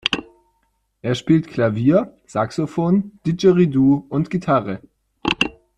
Er spielt Klavier, Saxofon, Didgeridoo und Gitarre.